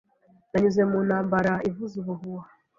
Nanyuze mu ntambara ivuza ubuhuha,